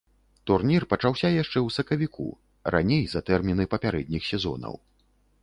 Турнір пачаўся яшчэ ў сакавіку, раней за тэрміны папярэдніх сезонаў.